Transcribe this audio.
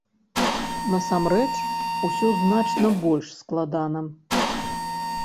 Насамрэч, усё значна больш складана.